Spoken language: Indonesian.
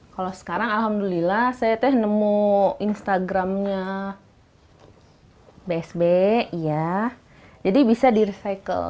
kalau sekarang alhamdulillah saya nemukan instagramnya bsb jadi bisa direcycle